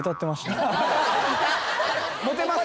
モテます？